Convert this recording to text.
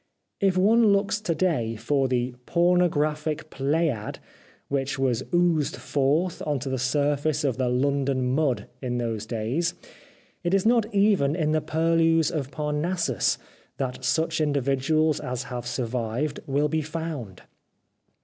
If one looks to day for the pornographic pleiad which was oozed forth on to the surface of the London mud in those days, it is not even in the purlieus of Parnassus that such individuals as have sur vived will be found.